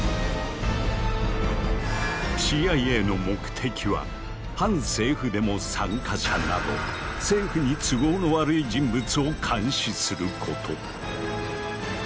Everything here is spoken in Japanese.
ＣＩＡの目的は反政府デモ参加者など政府に都合の悪い人物を監視すること。